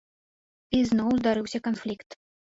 І зноў здарыўся канфлікт.